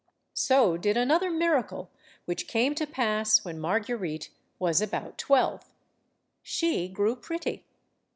So did another miracle which came to pass when Marguerite was about twelve. She grew pretty.